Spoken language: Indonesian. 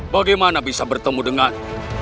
bagaimana bisa bertemu dengan